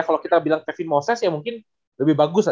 kalau kita bilang kevin moses ya mungkin lebih bagus